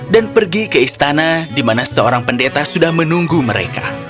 dan pergi ke istana di mana seorang pendeta sudah menunggu mereka